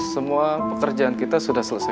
semua pekerjaan kita sudah selesai